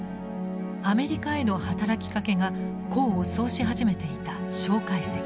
アメリカへの働きかけが功を奏し始めていた介石。